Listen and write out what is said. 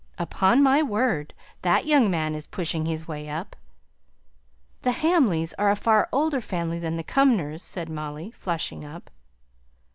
"Upon my word! That young man is pushing his way up!" "The Hamleys are a far older family than the Cumnors," said Molly, flushing up.